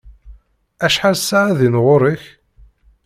Acḥal ssaɛa din ɣur-k?